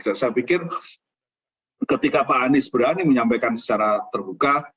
saya pikir ketika pak anies berani menyampaikan secara terbuka